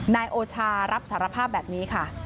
นายโอชารับสารภาพแบบนี้ค่ะ